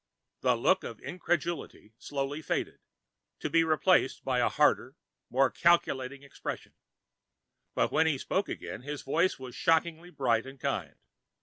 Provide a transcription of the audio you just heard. The look of incredulity slowly faded, to be replaced by a harder, more calculating expression. But when he spoke again, his voice was shockingly bright and kind.